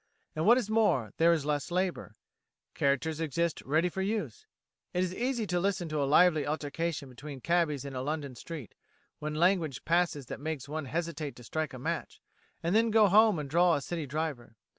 And what is more, there is less labour characters exist ready for use. It is easy to listen to a lively altercation between cabbies in a London street, when language passes that makes one hesitate to strike a match, and then go home and draw a city driver.